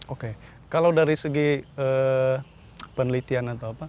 oke kalau dari segi penelitian